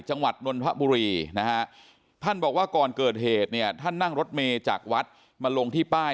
จังหวัดนนทบุรีท่านบอกว่าก่อนเกิดเหตุท่านนั่งรถเมจากวัดมาลงที่ป้าย